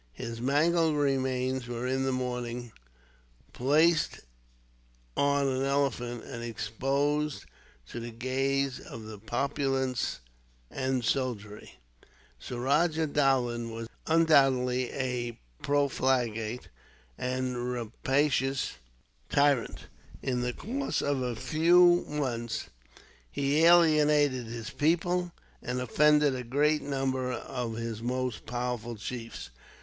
His mangled remains were, in the morning, placed on an elephant, and exposed to the gaze of the populace and soldiery. Suraja Dowlah was undoubtedly a profligate and rapacious tyrant. In the course of a few months, he alienated his people, and offended a great number of his most powerful chiefs.